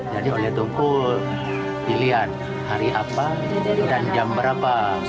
jadi oleh tuku pilihan hari apa dan jam berapa